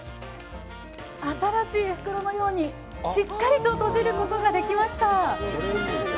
新しい袋のように、しっかりと閉じることができました。